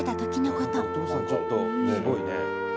お父さんちょっとすごいね。